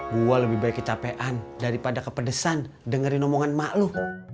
gue lebih baik kecapean daripada kepedesan dengerin omongan emak lo